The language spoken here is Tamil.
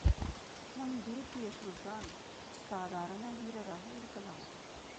நம் துருக்கிய சுல்தான் சாதாரண வீரராக இருக்கலாம்.